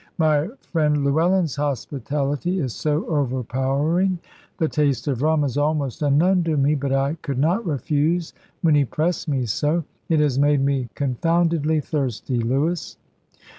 My friend Llewellyn's hospitality is so overpowering. The taste of rum is almost unknown to me; but I could not refuse when he pressed me so. It has made me confoundedly thirsty, Lewis."